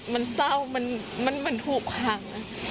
มันเศร้ามันถูกห่าง